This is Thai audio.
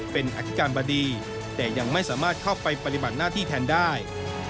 เป็นอธิการบดีแต่ยังไม่สามารถเข้าไปปฏิบัติหน้าที่แทนได้